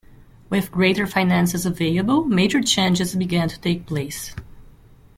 With greater finances available, major changes began to take place.